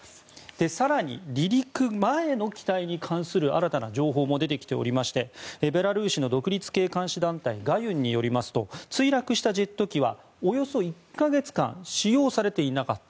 更に離陸前の機体に関する新たな情報も出てきていましてベラルーシの独立系監視団体ガユンによりますと墜落したジェット機はおよそ１か月間使用されていなかった。